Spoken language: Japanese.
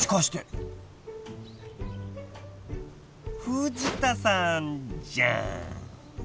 藤田さんじゃーん